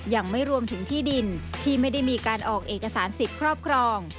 ยังไม่รวมถึงที่ดินที่ไม่ได้มีการออกเอกสารสิทธิ์ครอบครอง